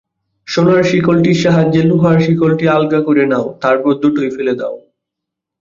সোনার শিকলটির সাহায্যে লোহার শিকলটি আলগা করে নাও, তার পর দুটোই ফেলে দাও।